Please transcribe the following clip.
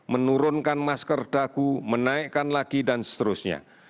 menurunkan masker dagu menaikkan lagi dan seterusnya